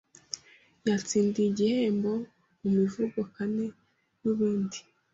yatsindiye igihembo mu mivugo; kane nUbundi